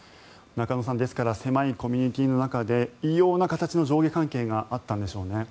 中野さん、ですから狭いコミュニティーの中で異様な形の上下関係があったんでしょうね。